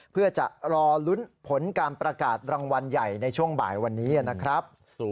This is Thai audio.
เพื่อจะรอลุ้นผลการประกาศรางวัลใหญ่ในช่วงบ่ายวันนี้นะครับ